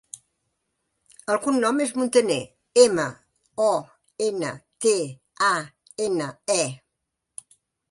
El cognom és Montane: ema, o, ena, te, a, ena, e.